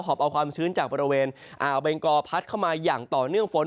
อบเอาความชื้นจากบริเวณอ่าวเบงกอพัดเข้ามาอย่างต่อเนื่องฝน